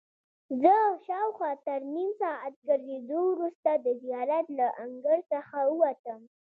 زه شاوخوا تر نیم ساعت ګرځېدو وروسته د زیارت له انګړ څخه ووتم.